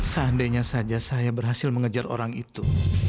seandainya saja saya berhasil mengejar orang itu